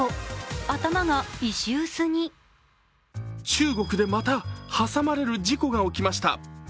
中国でまた挟まれる事故が起きました。